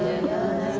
ini ada apa